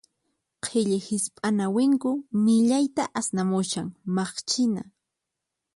Qhilli hisp'ana winku millayta asnamushan, maqchina.